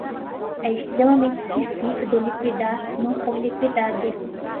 é extremamente difícil de liquidar se não for liquidada